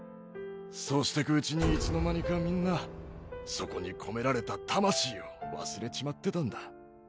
そうしてく内にいつのまにか皆そこに込められた魂を忘れちまってたんだ。